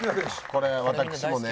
これ私もね